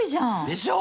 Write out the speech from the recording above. でしょ？